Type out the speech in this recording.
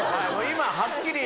今はっきり。